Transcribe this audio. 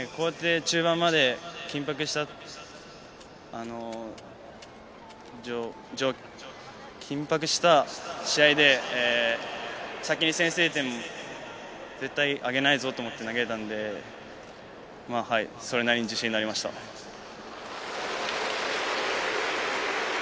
中盤まで緊迫した試合で、先に先制点、絶対あげないとと思って投げていたので、それなりに自信になりました。